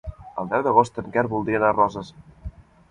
El deu d'agost en Quer voldria anar a Roses.